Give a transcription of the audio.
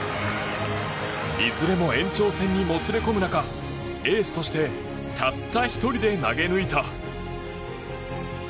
いずれも延長戦にもつれ込む中エースとしてたった１人で投げ抜いた。